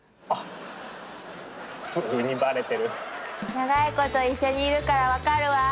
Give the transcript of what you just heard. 長いこと一緒にいるから分かるわ。